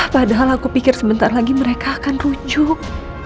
padahal aku pikir sebentar lagi mereka akan rujuk